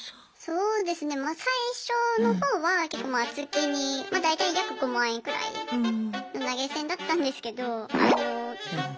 そうですねまあ最初の方はまあ月に大体約５万円くらいの投げ銭だったんですけど。